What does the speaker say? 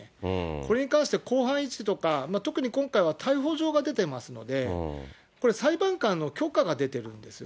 これに関して、公判維持とか逮捕状が出てますので、これ、裁判官の許可が出てるんですよ。